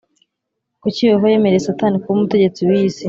Kuki Yehova yemereye Satani kuba umutegetsi w’iyi si?